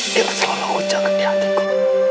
yang selalu hujahkan di hatiku